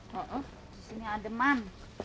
disini ada man